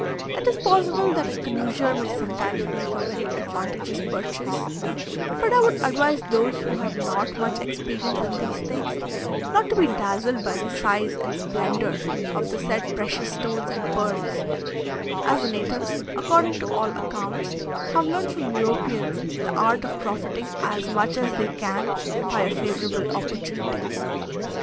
It is possible that a connoisseur may sometimes make a very advantageous purchase; but I would advise those who have not much experience in these things, not to be dazzled by the size and splendour of the said precious stones and pearls, as the natives, according to all accounts, have learnt from Europeans the art of profiting as much as they can by a favourable opportunity.